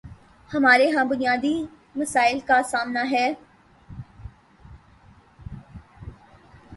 ہمارے ہاں بنیادی مسائل کا سامنا ہے۔